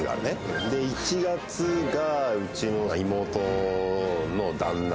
で１月がうちの妹の旦那さま。